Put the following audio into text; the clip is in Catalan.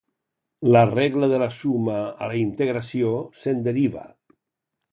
La regla de la suma a la integració se'n deriva.